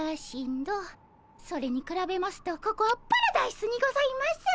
それにくらべますとここはパラダイスにございます。